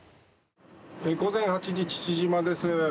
午前８時、父島です。